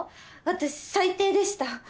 私最低でした。